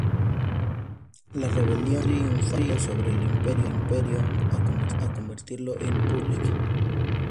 La "Rebelión" ha triunfado sobre el "Imperio", volviendo a convertirlo en una "República".